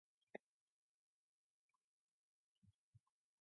Tommy apprehensive to move to London after they settled in Blackpool.